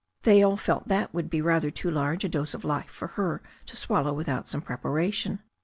They all felt that would be rather too large a dose of life for her to swallow without some preparation.